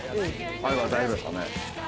あれば大丈夫ですかね。